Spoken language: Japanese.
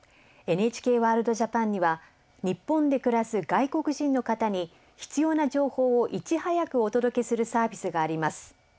「ＮＨＫワールドＪＡＰＡＮ」には日本で暮らす外国人の方に必要な情報をいち早くお届けするサービスがあります。